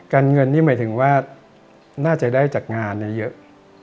เงินนี่หมายถึงว่าน่าจะได้จากงานเยอะ